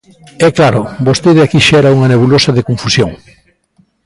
E claro, vostede aquí xera unha nebulosa de confusión.